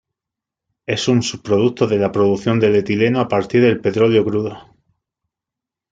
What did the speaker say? Es un subproducto de la producción del etileno a partir del petróleo crudo.